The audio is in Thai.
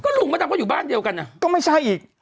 ลุงมดำก็อยู่บ้านเดียวกันก็ไม่ใช่อีก